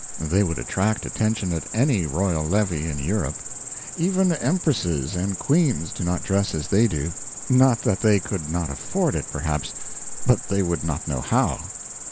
They would attract attention at any royal levee in Europe. Even empresses and queens do not dress as they do. Not that they could not afford it, perhaps, but they would not know how.